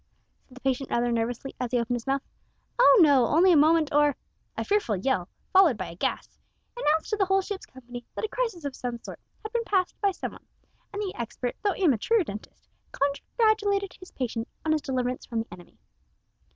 said the patient rather nervously, as he opened his mouth. "Oh no. Only a moment or " A fearful yell, followed by a gasp, announced to the whole ship's company that a crisis of some sort had been passed by some one, and the expert though amateur dentist congratulated his patient on his deliverance from the enemy.